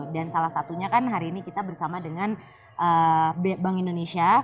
dan salah satunya kan hari ini kita bersama dengan bank indonesia